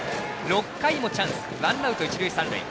６回もチャンスワンアウト、一塁三塁。